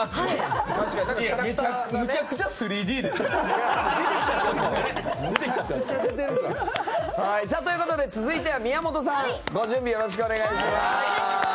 めちゃくちゃ３Ｄですよ。ということで続いては宮本さんご準備よろしくお願いします。